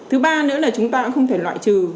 thứ ba nữa là chúng ta cũng không thể loại trừ